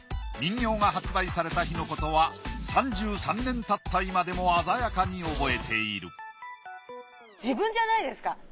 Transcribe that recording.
人形が発売された日のことは３３年経った今でも鮮やかに覚えている自分じゃないですか。